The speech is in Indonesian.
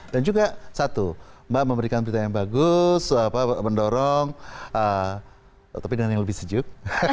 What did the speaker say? dan juga satu mbak memberikan berita yang bagus mendorong tapi dengan yang lebih sejuk